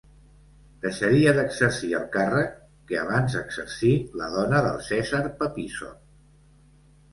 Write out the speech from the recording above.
Deixaria d'exercir el càrrec que abans exercí la dona del Cèsar papissot.